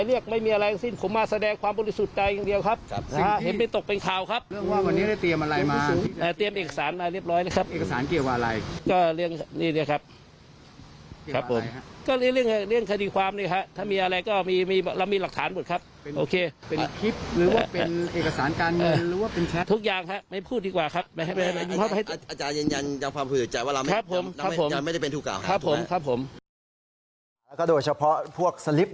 ทุกอย่างครับไม่พูดดีกว่าครับ